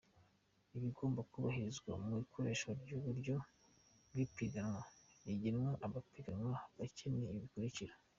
Ibigomba kubahirizwa mu ikoreshwa, ry’uburyo bw’ipiganwa rigenewe abapiganwa bake ni ibi bikurikira :